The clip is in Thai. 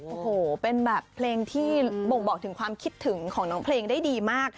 โอ้โหเป็นแบบเพลงที่บ่งบอกถึงความคิดถึงของน้องเพลงได้ดีมาก